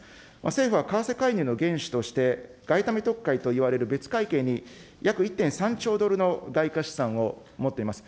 政府は為替介入の原資として、外為特会といわれる別会計に約１．３兆ドルの外貨資産を持っています。